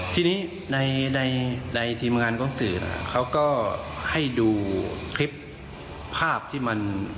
ทีนี้ในในทีมงานของสื่อเขาก็ให้ดูคลิปภาพที่มัน